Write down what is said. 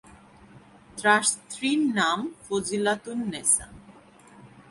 তার স্ত্রীর নাম ফজিলাতুন্নেছা।